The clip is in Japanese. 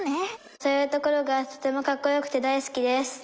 「そういうところがとてもかっこよくて大好きです」。